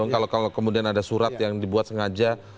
kalau kemudian ada surat yang dibuat sengaja